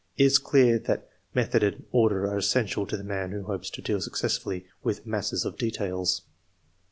It is clear that method and order are essential to the man who hopes to deal successfully with masses of details.